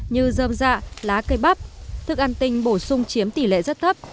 như dơm dạ lá cây bắp thức ăn tinh bổ sung chiếm tỷ lệ rất thấp